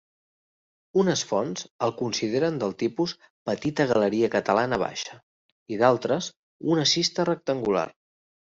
Unes fonts el consideren del tipus petita galeria catalana baixa i d'altres una cista rectangular.